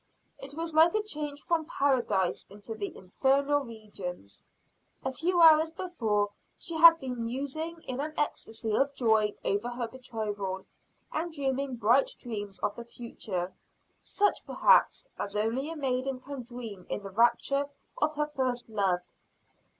It was like a change from Paradise into the infernal regions. A few hours before and she had been musing in an ecstasy of joy over her betrothal, and dreaming bright dreams of the future, such perhaps as only a maiden can dream in the rapture of her first love.